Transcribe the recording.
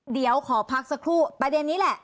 เดี๋ยวขอพักสักครู่ประเด็นนี้แหละ